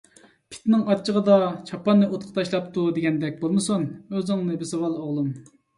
«پىتنىڭ ئاچچىقىدا چاپاننى ئوتقا تاشلاپتۇ» دېگەندەك بولمىسۇن، ئۆزۈڭنى بېسىۋال ئوغلۇم!